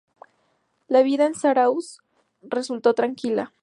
La vida en Zarauz resultó tranquila.